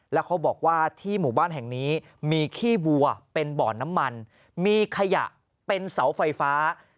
แล้วเขาบอกว่าที่หมู่บ้านแห่งนี้มีขี้วัวเป็นบ่อนน้ำมันมีขยะเป็นเสาไฟฟ้า